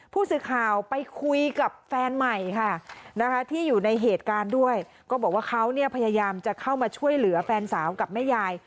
ผู้สื่อข่าวไปคุยกับแฟนใหม่ค่ะนะคะที่อยู่ในเหตุการณ์ด้วยก็บอกว่าเขาเนี่ยพยายามจะเข้ามาช่วยเหลือแฟนสาวกับแม่ยาย